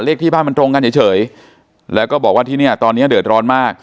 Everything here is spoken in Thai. ที่บ้านมันตรงกันเฉยแล้วก็บอกว่าที่เนี่ยตอนเนี้ยเดือดร้อนมาก